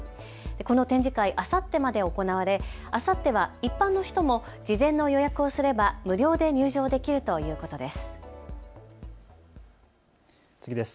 この展示会、あさってまで行われあさっては一般の人も事前の予約をすれば無料で入場できるということです。